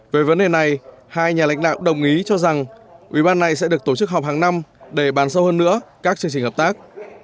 về vấn đề này hai nhà lãnh đạo đồng ý cho rằng ủy ban này sẽ được tổ chức họp hàng năm để bàn sâu hơn nữa các chương trình hợp tác